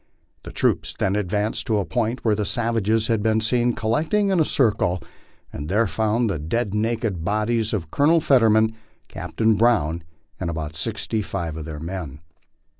The troops then advanced to a point where the savages had been seen collected in a circle, and there found the dead naked bodies of Colonel Fetterman, Captain Brown, and about sixty five of their men.